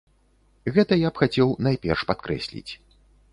Гэта я б хацеў найперш падкрэсліць.